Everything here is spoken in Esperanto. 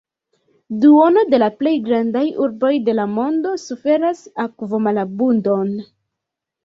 Duono de la plej grandaj urboj de la mondo suferas akvomalabundon.